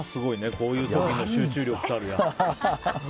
こういう時の集中力たるや。